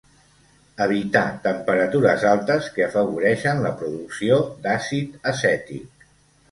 Evitar temperatures altes que afavoreixen la producció d'àcid acètic.